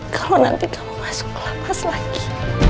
kalau nanti kamu masuk ke lapas lagi